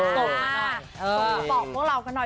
บอกพวกเรากันหน่อย